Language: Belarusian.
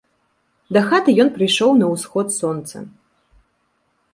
Дахаты ён прыйшоў на ўсход сонца.